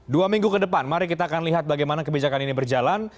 dua minggu ke depan mari kita akan lihat bagaimana kebijakan ini berjalan